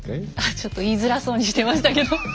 ちょっと言いづらそうにしてましたけど。